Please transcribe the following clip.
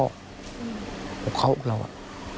พวกเขาตอนนี้เราอะ